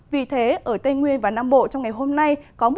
vì thế ở tây nguyên và nam bộ trong ngày hôm nay